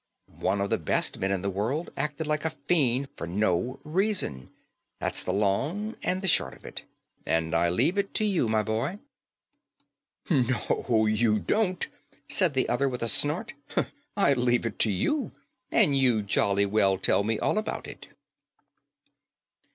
One of the best men in the world acted like a fiend for no reason. That's the long and the short of it; and I leave it to you, my boy." "No, you don't," said the other with a snort. "I leave it to you; and you jolly well tell me all about it."